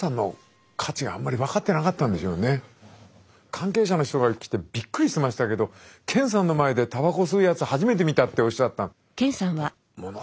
関係者の人が来てびっくりしてましたけど健さんの前でたばこ吸うやつ初めて見たっておっしゃったの。